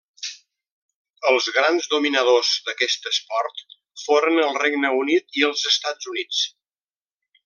Els grans dominadors d'aquest esport foren el Regne Unit i els Estats Units.